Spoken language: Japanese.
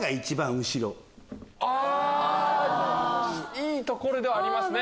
いいところではありますね！